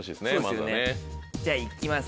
じゃあ行きます